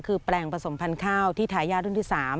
คือแปลงผสมพันธุ์ข้าวที่ทายาทรุ่นที่๓